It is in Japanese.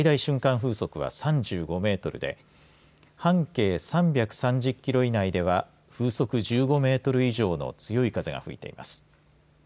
風速は３５メートルで半径３３０キロ以内では風速１５メートル以上の強い風が吹いています。